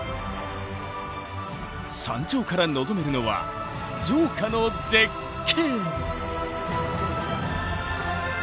山頂から望めるのは城下の絶景！